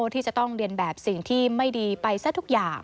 ที่จะต้องเรียนแบบสิ่งที่ไม่ดีไปซะทุกอย่าง